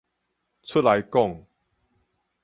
出來講